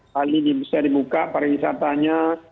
bali bisa dibuka pariwisatanya